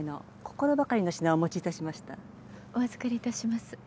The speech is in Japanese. お預かりいたします。